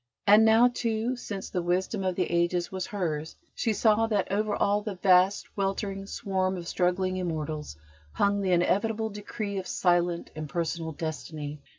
And now, too, since the Wisdom of the Ages was hers, she saw that over all the vast, weltering swarm of struggling immortals, hung the inevitable decree of silent, impersonal destiny.